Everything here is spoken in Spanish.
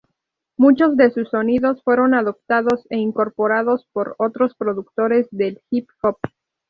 Muchos de sus sonidos fueron adoptados e incorporados por otros productores del hip hop.